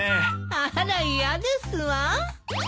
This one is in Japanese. あら嫌ですわ。